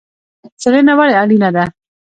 څیړنه ولې اړینه ده؟